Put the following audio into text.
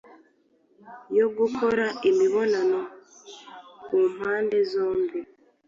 yo gukora imibonano kumpande zombi